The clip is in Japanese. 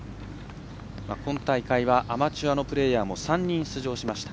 今大会はアマチュアのプレーヤーも３人出場しました。